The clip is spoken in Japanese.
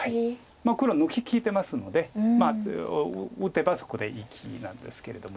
黒抜き利いてますので打てばそこで生きなんですけれども。